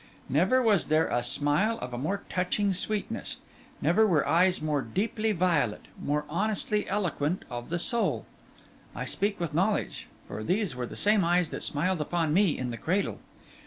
Never was there a smile of a more touching sweetness; never were eyes more deeply violet, more honestly eloquent of the soul! I speak with knowledge, for these were the same eyes that smiled upon me in the cradle.